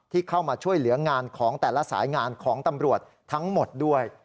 เข้ามาช่วยเหลืองานของแต่ละสายงานของตำรวจทั้งหมดด้วย